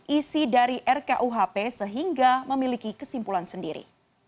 isi dari rkuhp sehingga memiliki kesimpulan sendiri